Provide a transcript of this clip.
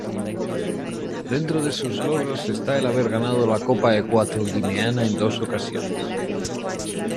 Dentro de sus logros está el haber ganado la Copa Ecuatoguineana en dos ocasiones.